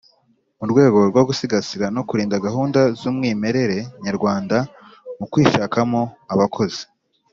Mu rwego rwo gusigasira no kurinda gahunda zumwimerere nyarwanda mu kwishakamo abakozi